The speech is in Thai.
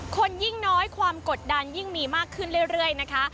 คนยิ่งน้อยความกดดันยิ่งมีมากขึ้นเรื่อยนะคะ